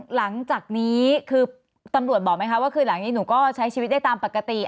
หลังจากนี้คือตำรวจบอกไหมคะว่าคือหลังนี้หนูก็ใช้ชีวิตได้ตามปกติ